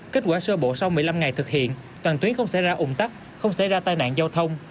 kết quả sơ bộ sau một mươi năm ngày thực hiện toàn tuyến không xảy ra ủng tắc không xảy ra tai nạn giao thông